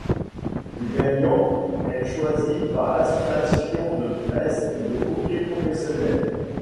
Le gagnant est choisi par l'Association de presse de hockey professionnelle.